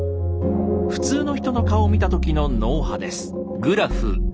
普通の人の顔を見た時の脳波です。